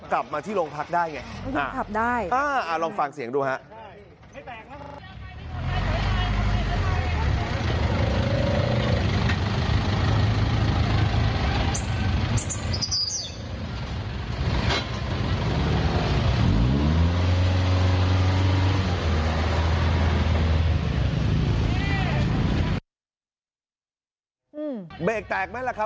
กลับมาที่โรงพักได้ไงครับลองฟังเสียงดูฮะไม่แตกครับไม่ตายไม่ตาย